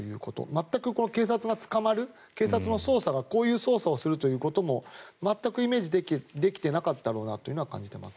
全く警察が捕まる、警察の捜査がこういう捜査をするということも全くイメージができていなかったとは感じます。